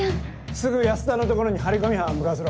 すぐ安田の所に張り込み班向かわせろ。